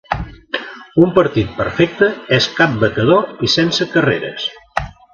Un partit perfecte és cap batedor i sense carreres.